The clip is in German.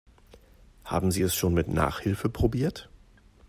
Haben Sie es schon mit Nachhilfe probiert?